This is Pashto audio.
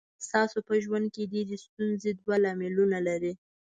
ستاسو په ژوند کې ډېرې ستونزې دوه لاملونه لري.